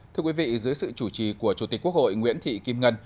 thưa quý vị dưới sự chủ trì của chủ tịch quốc hội nguyễn thị kim ngân